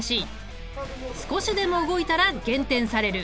少しでも動いたら減点される。